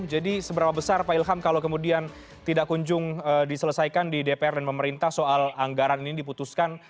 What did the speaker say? jadi seberapa besar pak ilham kalau kemudian tidak kunjung diselesaikan di dpr dan pemerintah soal anggaran ini diputuskan